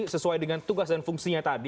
sesuai dengan tugas dan fungsinya tadi